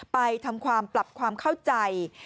ไปทำความปรับความเข้าใจ